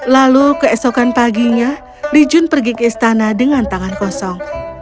lalu keesokan paginya li jun pergi ke istana dengan tangan kosong